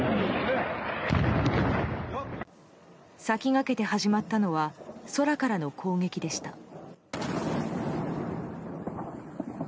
先駆けて始まったのは空からの攻撃でした。